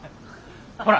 ほら